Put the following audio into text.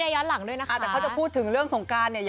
แต่เขาจะพูดถึงเรื่องสงการ